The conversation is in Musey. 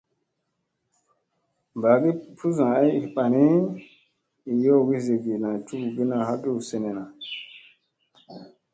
Bagi pussa ay bani i yowgi zirgiɗna cugugina ha hu senena.